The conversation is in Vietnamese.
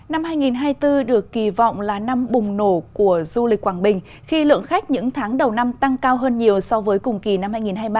năm hai nghìn hai mươi bốn được kỳ vọng là năm bùng nổ của du lịch quảng bình khi lượng khách những tháng đầu năm tăng cao hơn nhiều so với cùng kỳ năm hai nghìn hai mươi ba